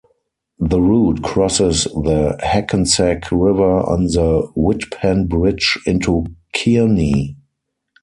The route crosses the Hackensack River on the Wittpenn Bridge into Kearny.